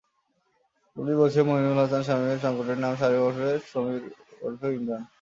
Police বলছে, মইনুল হাসান শামীমের সাংগঠনিক নাম শামীম ওরফে সমির ওরফে ইমরান।